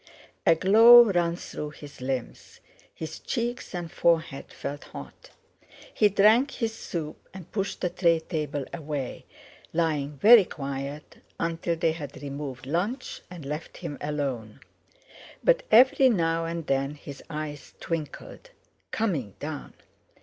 A glow ran through his limbs; his cheeks and forehead felt hot. He drank his soup, and pushed the tray table away, lying very quiet until they had removed lunch and left him alone; but every now and then his eyes twinkled. Coming down!